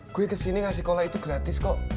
gue kesini ngasih kola itu gratis kok